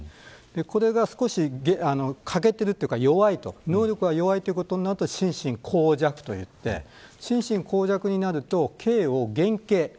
これが少し欠けてるというか弱いと能力が弱いということになると心神耗弱といって心神耗弱になると刑を減刑